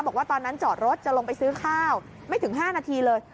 บอกว่าตอนนั้นจอดรถจะลงไปซื้อข้าวไม่ถึง๕นาทีเลย